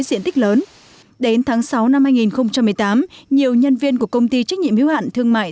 diện tích lớn đến tháng sáu năm hai nghìn một mươi tám nhiều nhân viên của công ty trách nhiệm hiếu hạn thương mại